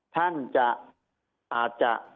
ท่านจะอาจจะ